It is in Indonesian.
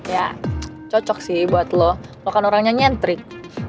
ya cocok sih buat lo lo kan orang yang nyentrik